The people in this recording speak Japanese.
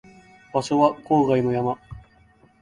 場所は郊外の山